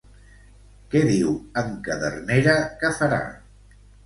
Què diu en Cadernera que farà?